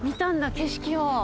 景色を。